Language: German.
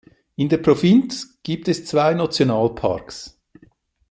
In der Provinz gibt es zwei Nationalparks.